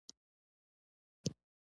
غر له لمنې مالومېږي